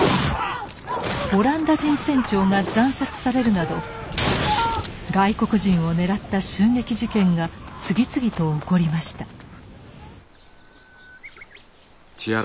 オランダ人船長が斬殺されるなど外国人を狙った襲撃事件が次々と起こりました。